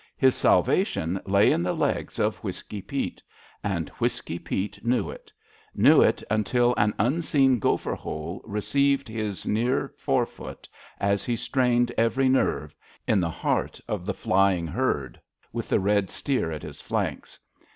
His salvation lay in the legs of Whisky Peat — ^and Whisky Peat knew it — ^knew it until an unseen A LITTLE MOEE BEEF 53 gopher hole received his near forefoot as he strained every nerve — ^in the heart of the flying herd, with the red steer at 'his flanks.